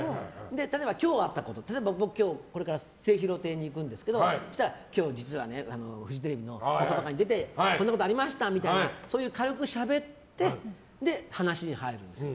例えば、今日あったことこれから末広亭に行くんですけどそうしたら、今日実はフジテレビの「ぽかぽか」に出てこんなことがありましたみたいに軽くしゃべってから話に入るんですよ。